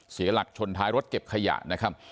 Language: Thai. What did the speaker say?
เสียหลักชนท้ายรถเก็บขยะนะครับ